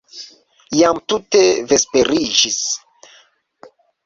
Jam tute vesperiĝis.